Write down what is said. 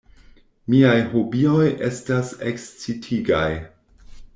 Miaj hobioj estas ekscitigaj.